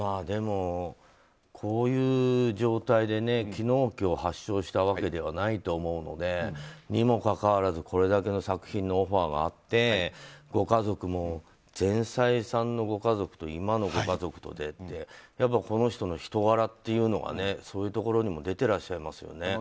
でも、こういう状態で昨日、今日発症したわけではないと思うので。にもかかわらずこれだけ作品のオファーがあってご家族も、前妻さんのご家族と今のご家族とってこの人の人柄がそういうところにも出てらっしゃいますね。